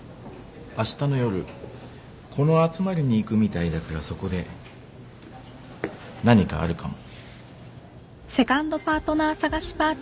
あしたの夜この集まりに行くみたいだからそこで何かあるかも。